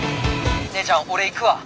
姉ちゃん俺行くわ。